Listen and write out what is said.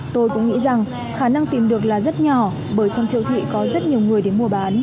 tôi cũng nghĩ rằng khả năng tìm được là rất nhỏ bởi trong siêu thị có rất nhiều người đến mua bán